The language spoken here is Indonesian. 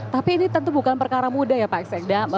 tapi ini tentu bukan perkara mudah ya pak ekseng